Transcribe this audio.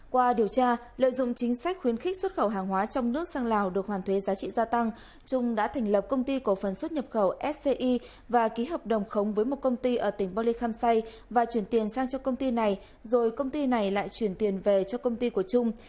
qua điều tra lợi dụng chính sách khuyến khích xuất khẩu hàng hóa trong nước sang lào được hoàn thuế giá trị gia tăng trung đã thành lập công ty cổ phần xuất nhập khẩu sci và ký hợp đồng khống với một công ty ở tỉnh bô lê khăm say và chuyển tiền sang cho công ty này rồi công ty này lại chuyển tiền về cho công ty của trung